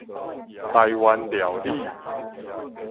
台灣料理